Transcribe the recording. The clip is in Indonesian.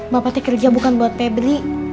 bapaknya kerja bukan buat febri